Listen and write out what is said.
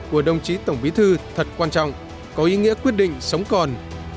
của đồng chí tổng bí thư thật quan trọng có ý nghĩa quyết định sống còn